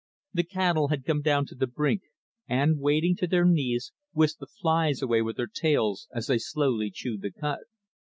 The cattle had come down to the brink, and wading to their knees, whisked the flies away with their tails as they slowly chewed the cud.